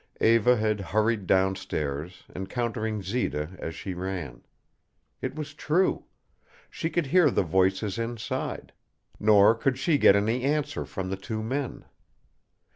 Eva had hurried down stairs, encountering Zita as she ran. It was true. She could hear the voices inside. Nor could she get any answer from the two men.